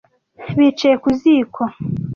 Bicaye ku ziko.